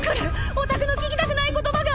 オタクの聞きたくない言葉が！